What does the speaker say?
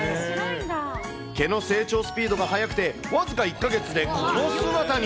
毛の成長スピードが速くて、僅か１か月で、この姿に。